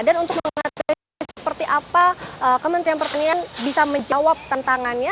dan untuk mengatasi seperti apa kementerian pertanian bisa menjawab tantangannya